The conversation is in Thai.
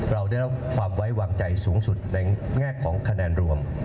เราได้รับความไว้วางใจสูงสุดในแง่ของคะแนนรวม